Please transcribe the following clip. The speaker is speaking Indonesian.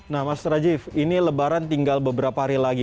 nah mas rajif ini lebaran tinggal beberapa hari lagi